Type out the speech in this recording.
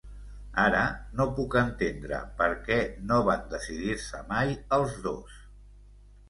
Ara no puc entendre per què no van decidir-se mai els dos.